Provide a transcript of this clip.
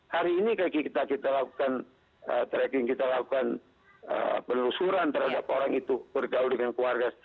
hari ini kita lakukan tracking kita lakukan penelusuran terhadap orang itu bergaul dengan keluarga